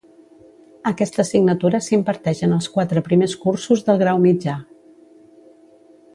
Aquesta assignatura s'imparteix en els quatre primers cursos del grau mitjà.